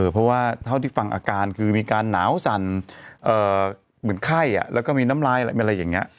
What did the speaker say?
เพราะว่าเท่าที่ฟังอาการคือมีการหนาวสั่นเหมือนไข้แล้วก็มีน้ำลายอะไรอย่างนี้